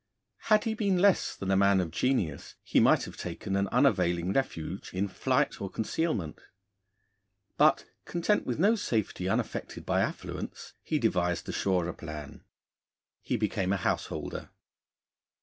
Had he been less than a man of genius, he might have taken an unavailing refuge in flight or concealment. But, content with no safety unattended by affluence, he devised a surer plan: he became a householder.